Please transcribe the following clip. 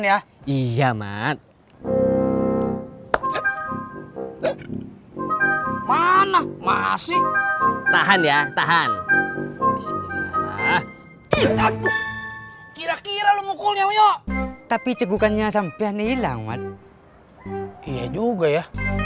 ya iya mat mana masih tahan ya tahan kira kira tapi cegukannya sampai hilang mat iya juga ya